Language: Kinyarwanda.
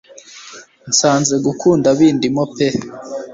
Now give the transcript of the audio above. Nsanze kugukunda bindimo pe